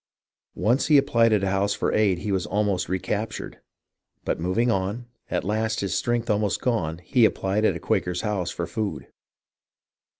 Once when he applied at a house for aid he was almost recaptured. But moving on, at last his strength almost gone, he applied at a Quaker's house for food.